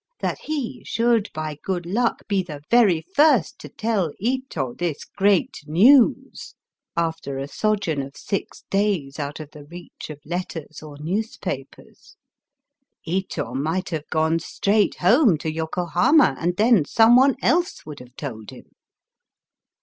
That he should by good luck be the very first to tell Ito this great news, after a sojourn of six days out of the reach of letters or newspapers 1 Ito might Digitized by VjOOQIC A JAPANESE THEATRE. 287 have gone straight home to Yokohama, and then some one else would have told him.